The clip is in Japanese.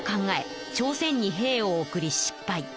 朝鮮に兵を送り失敗。